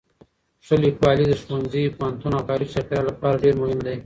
ښه لیکوالی د ښوونځي، پوهنتون او کاري چاپېریال لپاره ډېر مهم دی.